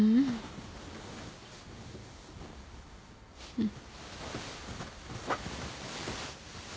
うん。